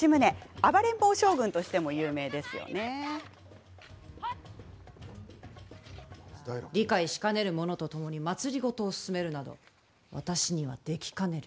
「暴れん坊将軍」としても理解しかねる者と共に政を進めるなど私にはできかねる。